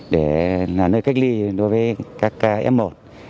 để là nơi cách ly đối với các ca f một